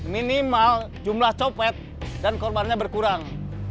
minimal jumlah copet dan korbannya berkurang